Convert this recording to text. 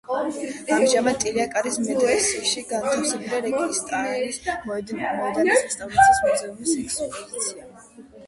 ამჟამად ტილია-კარის მედრესეში განთავსებულია რეგისტანის მოედანის რესტავრაციის მუზეუმის ექსპოზიცია.